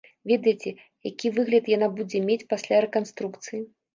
Ведаеце, які выгляд яна будзе мець пасля рэканструкцыі?